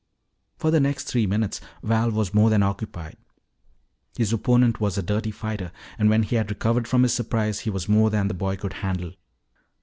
For the next three minutes Val was more than occupied. His opponent was a dirty fighter, and when he had recovered from his surprise he was more than the boy could handle.